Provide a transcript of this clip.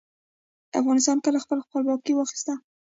افغانستان کله خپله خپلواکي واخیسته؟